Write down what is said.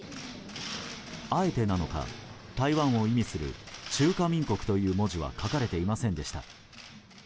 あえてなのか台湾を意味する「中華民国」という文字は書かれていませんでした。